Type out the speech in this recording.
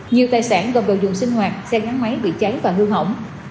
nhiều tài sản gồm đồ dùng sinh hoạt xe gắn máy bị cháy và hư hỏng